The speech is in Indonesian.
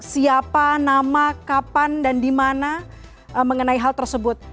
siapa nama kapan dan dimana mengenai hal tersebut